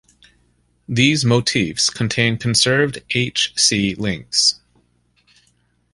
These motifs contain conserved H-C links.